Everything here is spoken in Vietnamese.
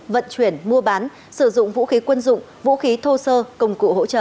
vận chuyển mua bán sử dụng vũ khí quân dụng vũ khí thô sơ công cụ hỗ trợ